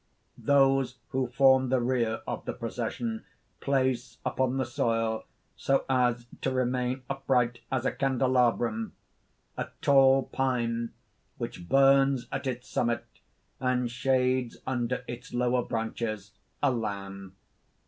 _ _Those who form the rear of the procession, place upon the soil, so as to remain upright as a candelabrum, a tall pine, which burns at its summit, and shades under its lower branches a lamb.